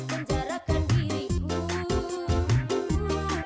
kedalam kau curiga